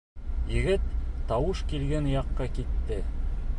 Егет тауыш килгән яҡҡа китте.